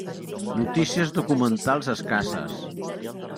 Notícies documentals escasses.